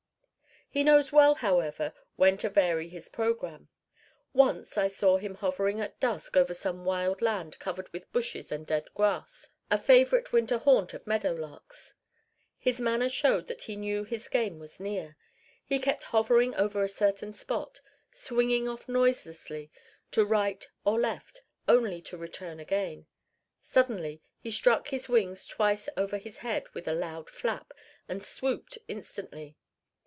He knows well, however, when to vary his program. Once I saw him hovering at dusk over some wild land covered with bushes and dead grass, a favorite winter haunt of meadow larks. His manner showed that he knew his game was near. He kept hovering over a certain spot, swinging off noiselessly to right or left, only to return again. Suddenly he struck his wings twice over his head with a loud flap, and swooped instantly.